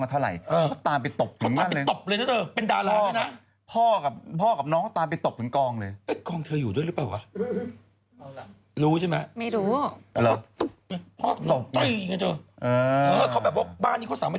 เขาแบบว่าบ้านนี้เขาสามารถ